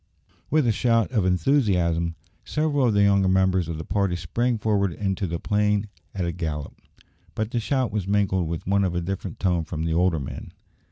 With a shout of enthusiasm, several of the younger members of the party sprang forward into the plain at a gallop; but the shout was mingled with one of a different tone from the older men.